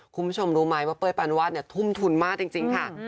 คุณผู้ชมรู้ไหมว่าเป้ยปานวาดทุ่มทุนมากจริงค่ะ